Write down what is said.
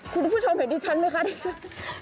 คุณผู้ชมเห็นดิฉันไหมคะดิฉัน